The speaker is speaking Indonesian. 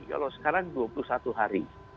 kalau sekarang dua puluh satu hari